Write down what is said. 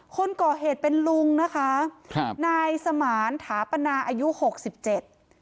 คนก่อเหตุเป็นลุงนะคะครับนายสมานถาปนาอายุหกสิบเจ็ด